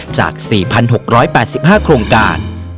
จาก๔๖๘๕โครงการ